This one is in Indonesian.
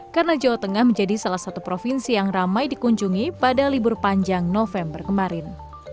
karena jawa tengah menjadi salah satu provinsi yang ramai dikunjungi pada libur panjang november kemarin